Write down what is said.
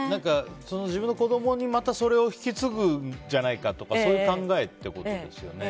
自分の子供に、またそれを引き継ぐんじゃないかとかそういう考えってことですよね？